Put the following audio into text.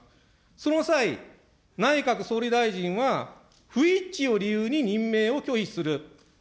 その際、内閣総理大臣が、不一致を理由に任命を拒否する。